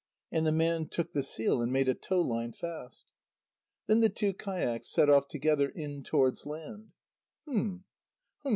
And the man took the seal and made a tow line fast. Then the two kayaks set off together in towards land. "Hum hum.